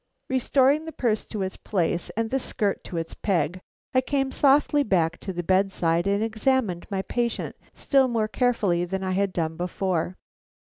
Restoring the purse to its place and the skirt to its peg, I came softly back to the bedside and examined my patient still more carefully than I had done before.